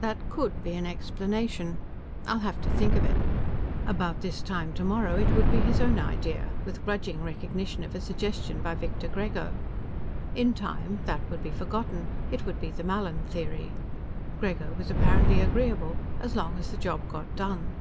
"That could be an explanation. I'll have to think of it." About this time tomorrow, it would be his own idea, with grudging recognition of a suggestion by Victor Grego. In time, that would be forgotten; it would be the Mallin Theory. Grego was apparently agreeable, as long as the job got done.